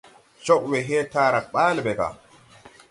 Cɔɓwɛ hee taarag ɓaale ɓɛ gà.